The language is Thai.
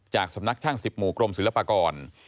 จากสำนักช่าง๑๐หมู่กรมศิลปากร